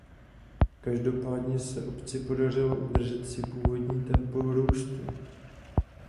Každopádně se obci podařilo udržet si původní tempo vzrůstu.